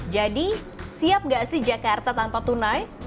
jadi siap gak sih jakarta tanpa tunai